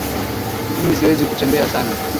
Mimi siwezi kutembea sana